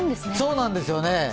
そうなんですよね。